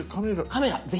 カメラぜひ。